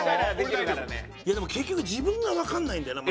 でも結局自分がわかんないんだよな。